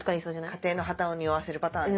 家庭の破綻をにおわせるパターンね。